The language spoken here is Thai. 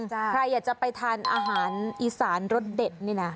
ใครอยากจะไปทานอาหารอีสานรสเด็ดนี่นะ